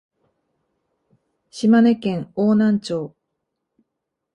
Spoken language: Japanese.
島根県邑南町